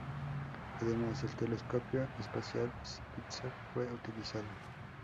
Además, el telescopio Espacial Spitzer fue utilizado.